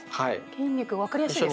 筋肉分かりやすいですね。